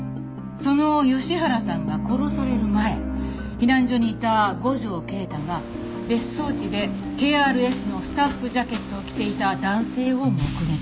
その吉原さんが殺される前避難所にいた五条慶太が別荘地でＫＲＳのスタッフジャケットを着ていた男性を目撃。